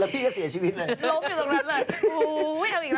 แล้วพี่ก็เสียชีวิตเลยลบอยู่ตรงนั้นเลย